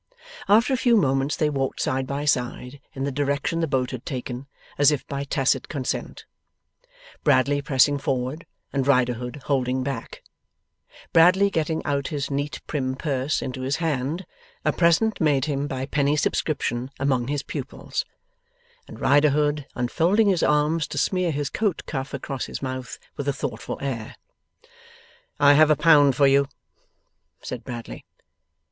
After a few moments they walked side by side in the direction the boat had taken, as if by tacit consent; Bradley pressing forward, and Riderhood holding back; Bradley getting out his neat prim purse into his hand (a present made him by penny subscription among his pupils); and Riderhood, unfolding his arms to smear his coat cuff across his mouth with a thoughtful air. 'I have a pound for you,' said Bradley.